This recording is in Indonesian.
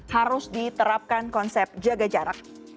harus diterapkan konsep jaga jarak